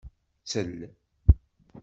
Ttel.